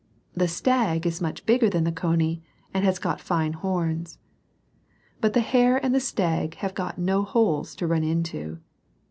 The stag is much bigger than the cony, and has got fine horns. But the hare and the stag have got no holes to run into.